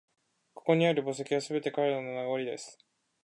ここにある墓石は、すべて彼らの…名残です